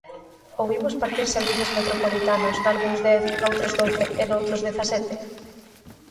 ¿Ou imos partir servizos metropolitanos, nalgúns dez, noutros doce e noutros dezasete?